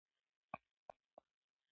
هو! ستا ږغ اورم.